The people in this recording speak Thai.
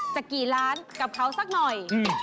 จะกี่ล้านกับเขาสักหน่อย